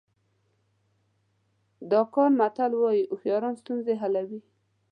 د اکان متل وایي هوښیاران ستونزې حلوي.